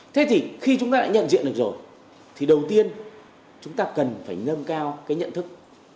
thế thì khi chúng ta đã nhận diện được rồi thì đầu tiên chúng ta cần phải nâng cao cái nhận thức